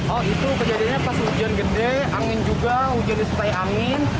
oh itu kejadiannya pas hujan gede angin juga hujan disertai angin